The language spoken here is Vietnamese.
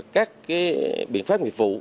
các biện pháp nghiệp vụ